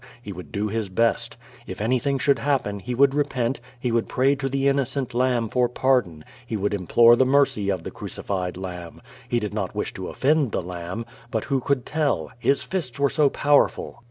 He would do his best. If anything should happen, he would repent, he would pray to the Innocent Lamb for pardon, he would implore the mercy of the Cruci fied Lamb. He did not wish to offend the I^mb— but who could tell? His fists were so powerful!